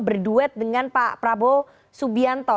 berduet dengan pak prabowo subianto